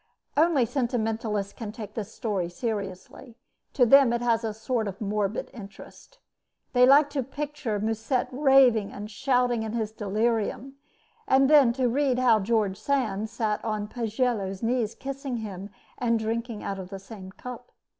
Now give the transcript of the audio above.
Only sentimentalists can take this story seriously. To them it has a sort of morbid interest. They like to picture Musset raving and shouting in his delirium, and then, to read how George Sand sat on Pagello's knees, kissing him and drinking out of the same cup.